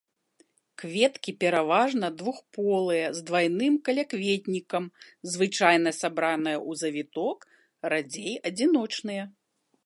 Кветкі пераважна двухполыя, з двайным калякветнікам, звычайна сабраныя ў завіток, радзей адзіночныя.